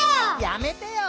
「やめてよ」